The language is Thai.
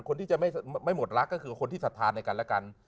คนที่จะไม่หมดรักก็คือคนที่สัทธาในกันและกัน